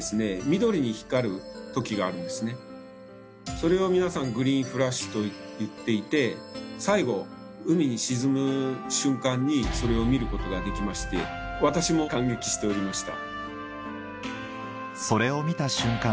それを皆さんグリーンフラッシュと言っていて最後海に沈む瞬間にそれを見ることができまして私も感激しておりました。